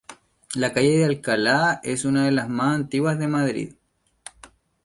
La calle de Alcalá es una de las más antiguas de Madrid.